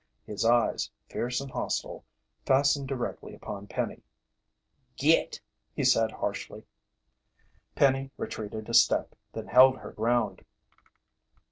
His eyes, fierce and hostile, fastened directly upon Penny. "Git!" he said harshly. Penny retreated a step, then held her ground.